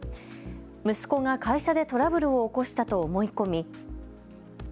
息子が会社でトラブルを起こしたと思い込み。